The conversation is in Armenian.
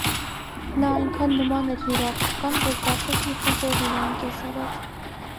Նա այնքան նման էր յուր աղջկան, որ կարծես մի խնձոր լինեին կես արած: